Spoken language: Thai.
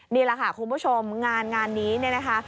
นี่แหละค่ะคุณผู้ชมงานนี้นะคะ